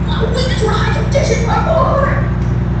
While wages were high conditions were poor.